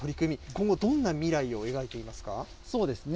今後、どんな未来を描いていますそうですね。